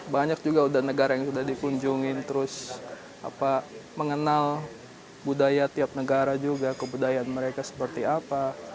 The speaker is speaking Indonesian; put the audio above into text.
banyak juga sudah negara yang sudah dikunjungin terus mengenal budaya tiap negara juga kebudayaan mereka seperti apa